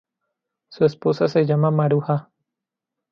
Su esposa se llama Maruja.